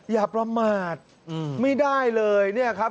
อย่าประมาทไม่ได้เลยเนี่ยครับ